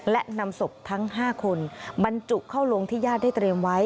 และนำศพทั้ง๕คนบรรจุเข้าลงที่ญาติได้เตรียมไว้